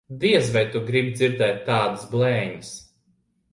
Diez vai tu gribi dzirdēt tādas blēņas.